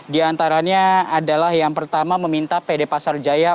di antaranya adalah yang pertama meminta pd pasar jaya